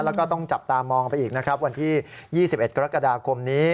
แล้วก็ต้องจับตามองไปอีกนะครับวันที่๒๑กรกฎาคมนี้